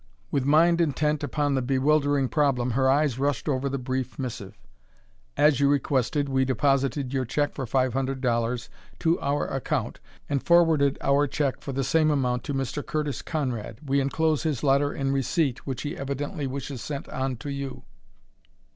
With mind intent upon the bewildering problem her eyes rushed over the brief missive: "As you requested, we deposited your check for five hundred dollars to our account, and forwarded our check for the same amount to Mr. Curtis Conrad. We enclose his letter in receipt, which he evidently wishes sent on to you."